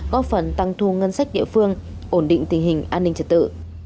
góp phần tăng thu ngân sách địa phương ổn định tình hình an ninh trật tự